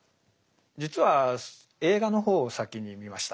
実は映画の方を先に見ました。